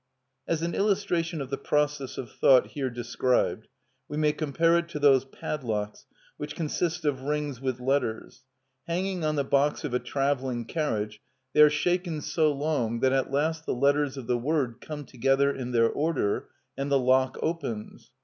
As an illustration of the process of thought here described we may compare it to those padlocks which consist of rings with letters; hanging on the box of a travelling carriage, they are shaken so long that at last the letters of the word come together in their order and the lock opens.